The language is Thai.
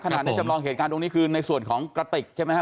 ในจำลองเหตุการณ์ตรงนี้คือในส่วนของกระติกใช่ไหมฮะ